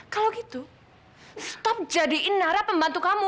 kalau gitu stop jadiin nara pembantu kamu